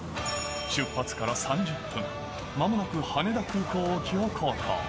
出発から３０分、まもなく羽田空港沖を航行。